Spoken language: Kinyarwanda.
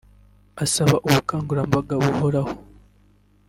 asaba ubukangurambaga buhoraho